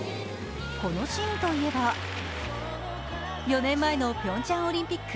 このシーンといえば、４年前のピョンチャンオリンピック